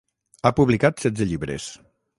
Ha publicat setze llibres.